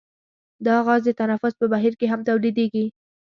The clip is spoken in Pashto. دا غاز د تنفس په بهیر کې هم تولیدیږي.